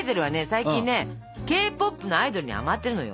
最近ねＫポップのアイドルにハマってるのよ！